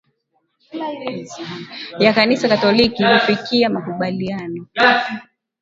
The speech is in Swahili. ya kanisa katoliki kufikia makubaliano